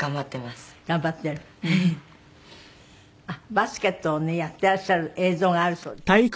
バスケットをねやっていらっしゃる映像があるそうです。